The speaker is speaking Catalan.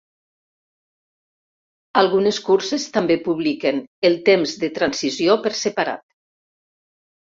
Algunes curses també publiquen els temps de transició per separat.